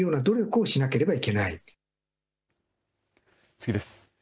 次です。